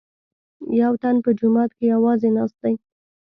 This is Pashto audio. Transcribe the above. یوتن په جومات کې یوازې ناست دی.